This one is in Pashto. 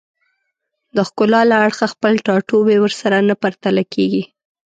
د ښکلا له اړخه خپل ټاټوبی ورسره نه پرتله کېږي